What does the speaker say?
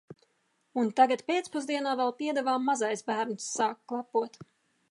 Un tagad pēcpusdienā vēl piedevām mazais bērns sāk klepot.